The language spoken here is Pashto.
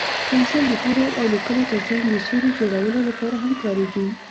پنسل د تورو او لیکلو تر څنګ د سیوري جوړولو لپاره هم کارېږي.